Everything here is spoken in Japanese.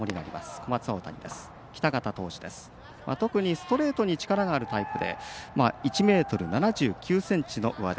小松大谷北方投手、特にストレートに力があるタイプで１ｍ７９ｃｍの上背。